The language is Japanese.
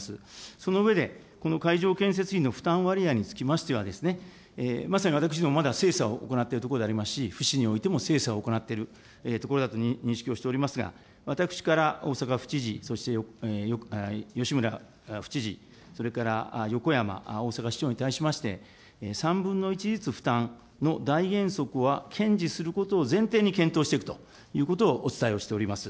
その上でこの会場建設費の負担割合につきましては、まさに私ども精査を行っているところでありますし、府市においても精査を行っているところだと認識をしておりますが、私から大阪府知事、そして吉村府知事、それからよこやま大阪市長に対しまして、３分の１ずつ負担の大原則は堅持することは前提に検討していくということをお伝えをしております。